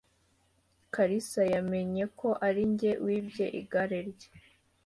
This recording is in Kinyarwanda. kalisa yamenye ko ari njye wibye igare rye.